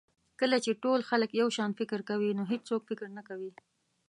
کله چې ټول خلک یو شان فکر کوي نو هېڅوک فکر نه کوي.